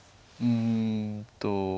うんと。